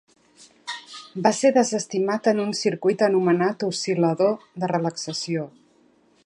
Va ser desestimat en un circuit anomenat oscil·lador de relaxació.